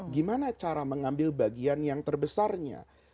gimana cara mengambil bagian yang terbesarnya